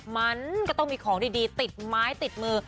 มันก็ต้องมีของดีติดไม้ติดมือ